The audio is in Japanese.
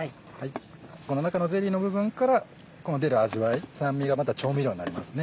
この中のゼリーの部分から出る味わい酸味が調味料になりますね。